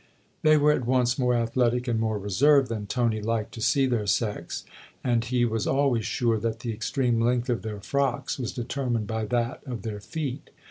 They were at once more athletic and more reserved than Tony liked to see their sex, and he was always sure that the extreme length of their frocks was deter mined by that of their feet.